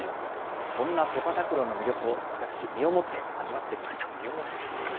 そんなセパタクローの魅力を私、身をもって味わってきました。